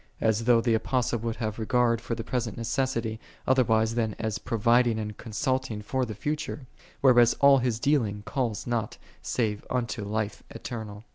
\l though the A|)ostle would liave regard for the present necessity, otherwise than as pro viding and consulting tor the future; \\ all his dealing1 calls not save unto life eternal.